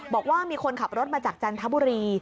บอกว่ามีคนขับรถมาจากจันทบุรี